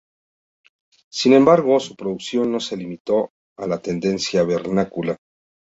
Sin embargo, su producción no se limitó a la tendencia vernácula.